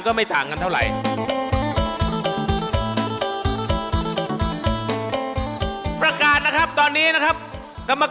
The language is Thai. สำหรับสีส้มนะครับพร้อม